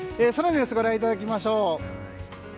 空の様子ご覧いただきましょう。